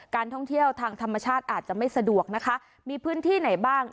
ท่องเที่ยวทางธรรมชาติอาจจะไม่สะดวกนะคะมีพื้นที่ไหนบ้าง